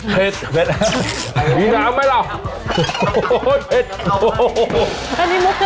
เผ็ดมีน้ำไหมล่ะ